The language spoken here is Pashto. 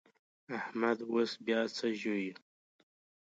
احمد اوس پياڅه ژووي.